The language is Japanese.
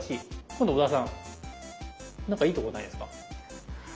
今度小田さんなんかいいとこないですか？